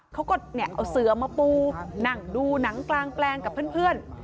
เขาก็เอาเสือมาปูนั่งดูหนังกลางแปลงกับเพื่อน